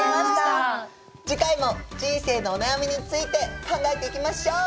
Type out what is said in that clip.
次回も人生のお悩みについて考えていきましょう！